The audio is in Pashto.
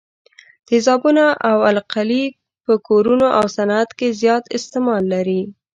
تیزابونه او القلي په کورونو او صنعت کې زیات استعمال لري.